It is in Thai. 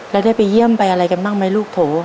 แล้วได้ไปเยี่ยมไปอะไรกันบ้างไหมลูกโถ